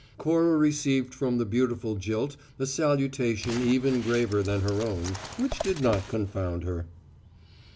Cora received from the beautiful jilt a salutation even graver than her own, which did not confound her.